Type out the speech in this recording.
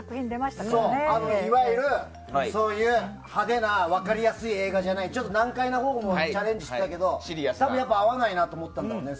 いわゆる派手な分かりやすい映画じゃない難解なほうもチャレンジしてたけど多分、合わないなと思ったんだろうね。